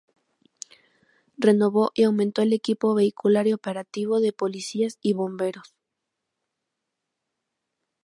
Renovó y aumentó el equipo vehicular y operativo de policías y bomberos.